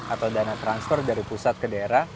atau dana transfer dari pusat ke daerah